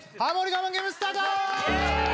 我慢ゲームスタート